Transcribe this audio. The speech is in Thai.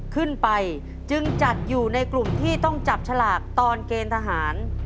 ขึ้นไปจึงจัดอยู่ในกลุ่มที่ต้องจับฉลากตอนเกณฑ์ทหาร